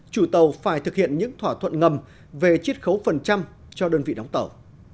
chủ tàu phải thực hiện những thỏa thuận ngầm về chiết khấu phần trăm cho đơn vị đóng tàu